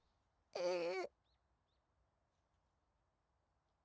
うん！